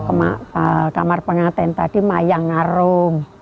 kalau kamar pengantin tadi mayangarum